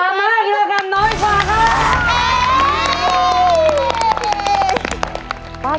ตามมาคือกับน้อยกว่าครับ